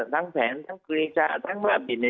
ทั้งแผนทั้งกรีชาทั้งมาปิด